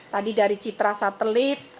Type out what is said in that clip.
tadi dari citra satelit